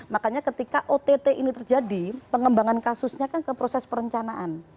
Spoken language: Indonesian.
makanya ketika ott ini terjadi pengembangan kasusnya kan ke proses perencanaan